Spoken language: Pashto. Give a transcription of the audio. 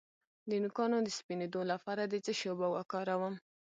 د نوکانو د سپینیدو لپاره د څه شي اوبه وکاروم؟